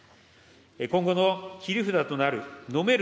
今後の切り札となる飲める